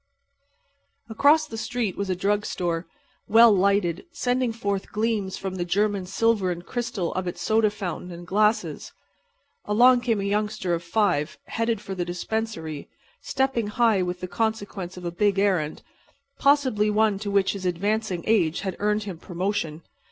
Across the street was a drug store, well lighted, sending forth gleams from the German silver and crystal of its soda fountain and glasses. Along came a youngster of five, headed for the dispensary, stepping high with the consequence of a big errand, possibly one to which his advancing age had earned him promotion.